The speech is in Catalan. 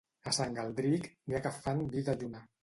A Sant Galdric, n'hi ha que fan vi de lluna.